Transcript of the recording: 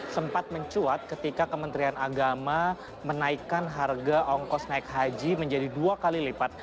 sempat mencuat ketika kementerian agama menaikkan harga ongkos naik haji menjadi dua kali lipat